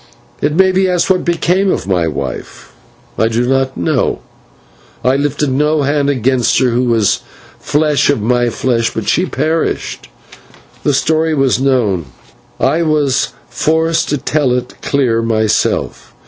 It may be asked what became of my wife. I do not know. I lifted no hand against her who was flesh of my flesh, but she perished. The story was known. I was forced to tell it to clear myself.